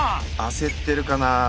焦ってるかなあ。